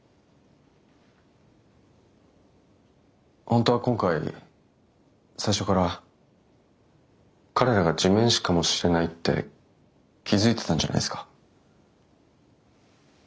本当は今回最初から彼らが地面師かもしれないって気付いてたんじゃないですか？